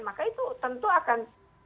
maka itu tentu akan